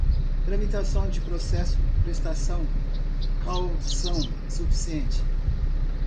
tramitação de processo prestará caução suficiente